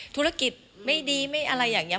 ธุรกิจไม่ดีไม่อะไรอย่างนี้